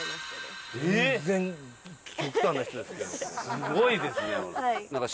すごいですね。